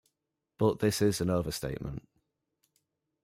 But this is an overstatement.